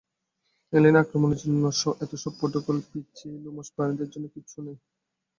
Alien আক্রমণের জন্য এত সব প্রটোকল, পিচ্চি এই লোমশ প্রাণীদের জন্য কিচ্ছু নেই।